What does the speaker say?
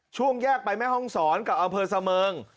ช่วงแยกไปแม่ห้องศรกับอำเภอเสมิง